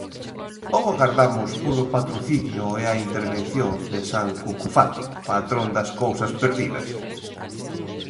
¿Ou agardamos polo patrocinio e a intervención de san Cucufato, patrón das cousas perdidas?